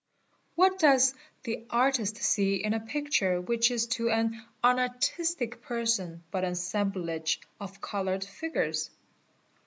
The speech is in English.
~ what does the artist see in a picture which is to an unartistic person but an assemblage of coloured figures?